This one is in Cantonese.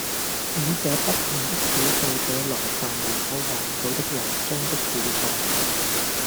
使這不幸的少數者來受無可挽救的臨終的苦楚，